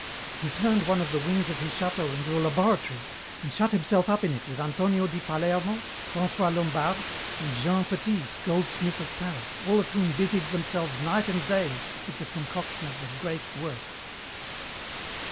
He turned one of the wings of his château into a laboratory and shut himself up in it with Antonio di Palermo, François Lombard, and 'Jean Petit, goldsmith of Paris,' all of whom busied themselves night and day with the concoction of the 'great work.'"